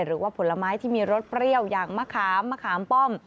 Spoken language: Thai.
หรือว่าผลไม้ที่มีรสเปรี้ยวอย่างมะขามมะขามป้อม